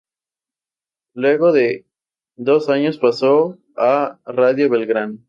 Luego de dos años pasó a Radio Belgrano.